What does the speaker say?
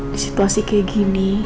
di situasi kayak gini